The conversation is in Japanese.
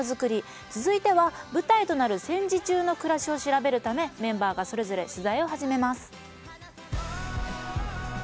続いては舞台となる戦時中の暮らしを調べるためメンバーがそれぞれ取材を始めます。